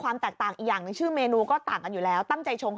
คือถ้าไม่เหมือนร้อยเปอร์เซ็นต์